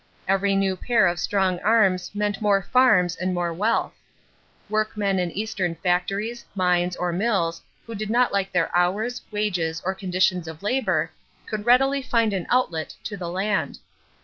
Every new pair of strong arms meant more farms and more wealth. Workmen in Eastern factories, mines, or mills who did not like their hours, wages, or conditions of labor, could readily find an outlet to the land.